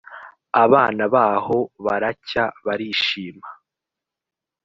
abana baho baracya barishima